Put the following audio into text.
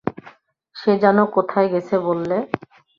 সে যেন কোথায় গেছে বললে?